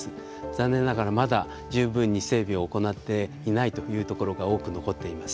残念ながらまだ十分に整備を行っていないというところが多く残っています。